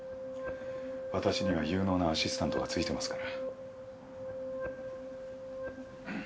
私には有能なアシスタントがついてますから。